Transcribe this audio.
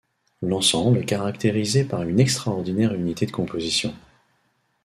L'ensemble est caractérisé par une extraordinaire unité de composition.